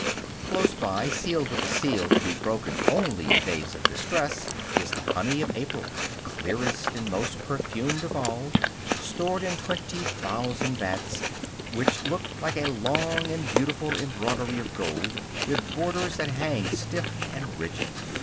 Close by, sealed with a seal to be broken only in days of distress, is the honey of April, clearest and most perfumed of all, stored in twenty thousand vats, which look like a long and beautiful embroidery of gold, with borders that hang stiff and rigid.